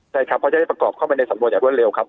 ใช่ครับเขาจะได้ประกอบเข้ามาในสำรวจอย่างเร็วครับ